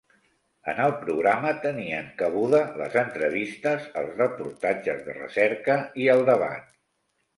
En el programa tenien cabuda les entrevistes, els reportatges de recerca i el debat.